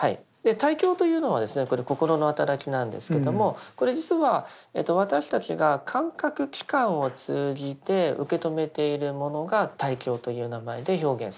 対境というのはこれ心の働きなんですけどもこれ実は私たちが感覚器官を通じて受け止めているものが対境という名前で表現されました。